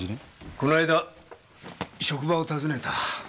この間職場を訪ねた。